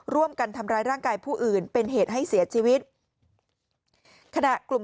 ร่วมกันทำร้ายร่างกายผู้อื่นเป็นเหตุให้เสียชีวิตขณะกลุ่ม